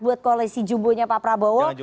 buat koalisi jubo nya pak prabowo